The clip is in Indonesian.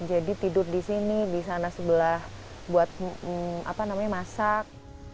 jadi tidur di sini di sana sebelah buat masak